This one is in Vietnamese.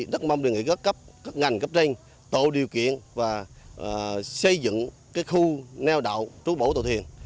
rất mong đề nghị các ngành cấp tranh tổ điều kiện và xây dựng khu neo đậu trú bổ tàu thuyền